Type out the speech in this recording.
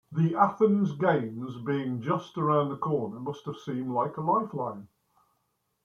The Athens games being just around the corner must have seemed like a lifeline.